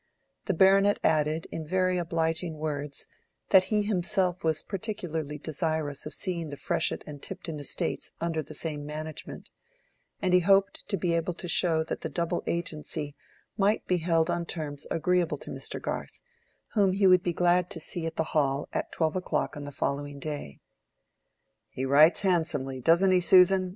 The Baronet added in very obliging words that he himself was particularly desirous of seeing the Freshitt and Tipton estates under the same management, and he hoped to be able to show that the double agency might be held on terms agreeable to Mr. Garth, whom he would be glad to see at the Hall at twelve o'clock on the following day. "He writes handsomely, doesn't he, Susan?"